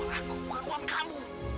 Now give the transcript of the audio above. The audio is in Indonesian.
aku aku uang kamu